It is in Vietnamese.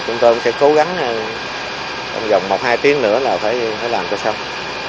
chúng tôi cũng sẽ cố gắng trong vòng một hai tiếng nữa là phải làm cho xong